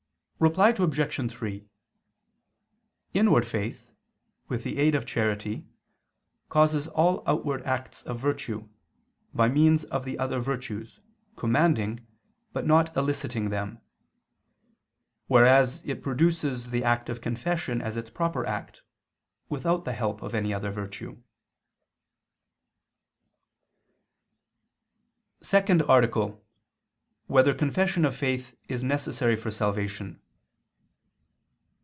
Reply Obj. 3: Inward faith, with the aid of charity, causes all outward acts of virtue, by means of the other virtues, commanding, but not eliciting them; whereas it produces the act of confession as its proper act, without the help of any other virtue. _______________________ SECOND ARTICLE [II II, Q. 3, Art. 2] Whether Confession of Faith Is Necessary for Salvation?